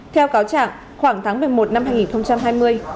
theo cáo trạng khoảng tháng một mươi một năm hai nghìn hai mươi